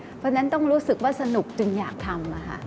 เพราะฉะนั้นต้องรู้สึกว่าสนุกจึงอยากทำ